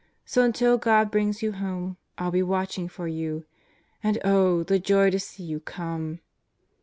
So until God brings you home, I'll be watching for you. And oh, the joy to see you come.